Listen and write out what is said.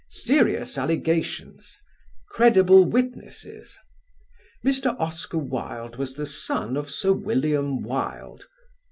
serious allegations ... credible witnesses ... Mr. Oscar Wilde was the son of Sir William Wilde